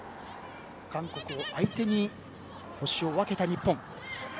韓国を相手に星を分けた日本。